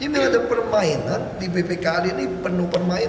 jadi memang ada permainan di bpkd ini penuh permainan